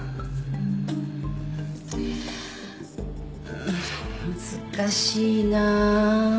うん難しいな。